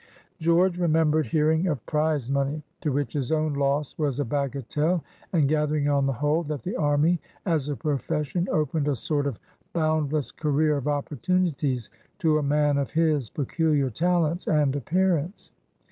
George remembered hearing of prize money, to which his own loss was a bagatelle, and gathering on the whole that the army, as a profession, opened a sort of boundless career of opportunities to a man of his peculiar talents and appearance.